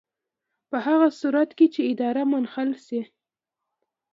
په هغه صورت کې چې اداره منحله شي.